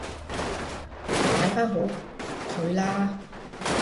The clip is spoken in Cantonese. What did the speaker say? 擺返好佢啦